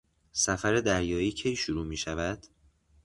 سفر دریایی کی شروع میشود؟